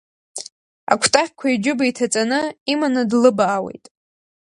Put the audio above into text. Акәтаӷьқәа иџьыба иҭаҵаны, иманы длыбаауеит.